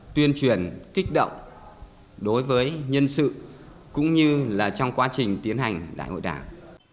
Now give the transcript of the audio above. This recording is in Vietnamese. tuyên truyền kích động đối với nhân sự cũng như là trong quá trình tiến hành đại hội đảng